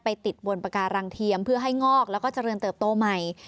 ติดบนปาการังเทียมเพื่อให้งอกแล้วก็เจริญเติบโตใหม่